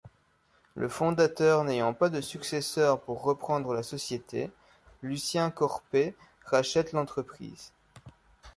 Le fondateur n'ayant pas de successeur pour reprendre la société, Lucien Corpet rachète l'entreprise.